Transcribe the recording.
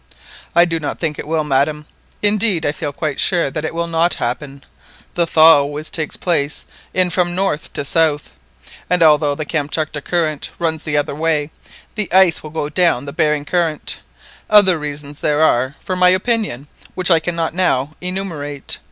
"I do not think it will, madam; indeed I feel quite sure that that will not happen. The thaw always takes place in from north to south, and although the Kamtchatka Current runs the other way, the ice always goes down the Behring Current. Other reasons there are for my opinion which I cannot now enumerate.